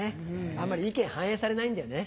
あんまり意見反映されないんだよね。